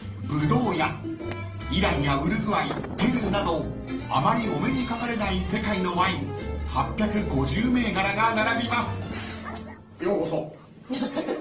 ［イランやウルグアイペルーなどあまりお目にかかれない世界のワイン８５０銘柄が並びます］